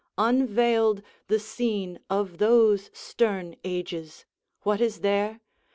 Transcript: unveiled The scene of those stern ages! What is there?